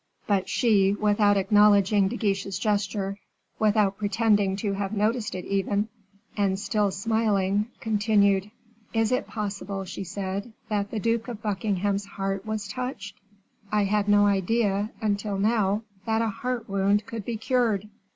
But she, without acknowledging De Guiche's gesture, without pretending to have noticed it even, and still smiling, continued: "Is it possible," she said, "that the Duke of Buckingham's heart was touched? I had no idea, until now, that a heart wound could be cured."